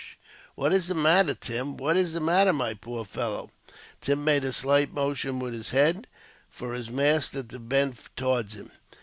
"What is the matter, Tim? What is the matter, my poor fellow?" Tim made a slight motion, with his head, for his master to bend towards him.